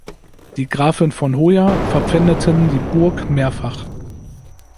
Die Grafen von Hoya verpfändeten die Burg mehrfach.